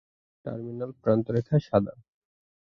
Terminal প্রান্তরেখা সাদা।